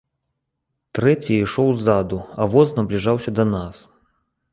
Трэці ішоў ззаду, а воз набліжаўся да нас.